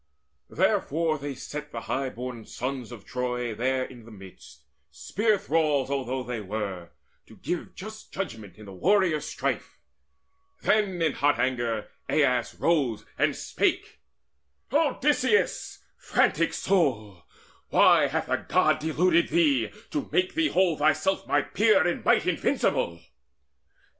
Therefore they set the high born sons of Troy There in the midst, spear thralls although they were, To give just judgment in the warriors' strife. Then in hot anger Aias rose, and spake: "Odysseus, frantic soul, why hath a God Deluded thee, to make thee hold thyself My peer in might invincible?